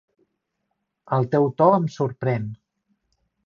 El teu to em sorprèn.